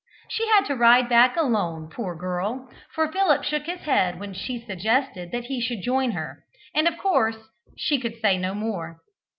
She had to ride back alone, poor girl, for Philip shook his head when she suggested that he should join her, and of course she could say no more.